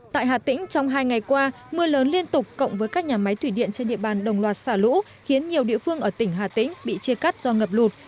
tại hà tĩnh trong hai ngày qua mưa lớn liên tục cộng với các nhà máy thủy điện trên địa bàn đồng loạt xả lũ khiến nhiều địa phương ở tỉnh hà tĩnh bị chia cắt do ngập lụt